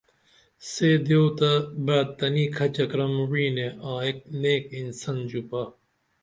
سے دیو تہ بعد تنی کھچہ کرم وعینے آں ایک نیک انسن ژوپا